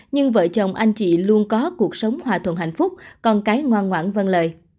nhưng vợ chồng anh chị luôn có cuộc sống hòa thuận hạnh phúc con cái ngoan ngoãn văn lời